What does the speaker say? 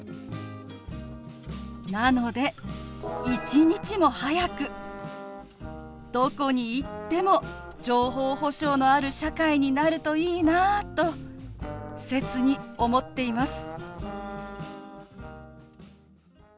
なので一日も早くどこに行っても情報保障のある社会になるといいなあと切に思っています。